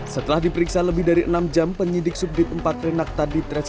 setelah diperiksa lebih dari enam jam penyidik subjek empat renak tadi trash